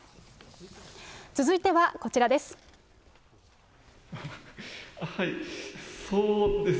続いてはこちらです。